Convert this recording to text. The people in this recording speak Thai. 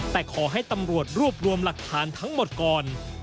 แต่ขอให้ตำรวจรวบรวมหลักฐานทั้งหมดก่อน